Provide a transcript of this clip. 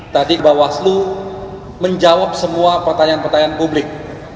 tadi bawaslu menjawab semua pertanyaan pertanyaan publik